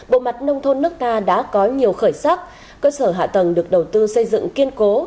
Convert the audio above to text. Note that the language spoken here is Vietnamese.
bộ mặt nông thôn nước ta đã có nhiều khởi sắc cơ sở hạ tầng được đầu tư xây dựng kiên cố